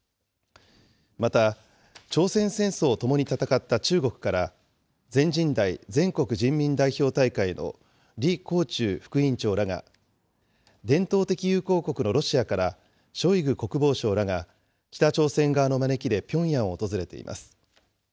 また、朝鮮戦争を共に戦った中国から、全人代・全国人民代表大会の李鴻忠副委員長らが、伝統的友好国のロシアからショイグ国防相らが、北朝鮮側の招きでピョンヤンを訪れています。